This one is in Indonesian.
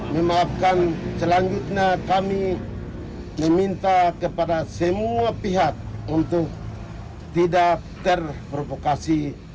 memaafkan selanjutnya kami meminta kepada semua pihak untuk tidak terprovokasi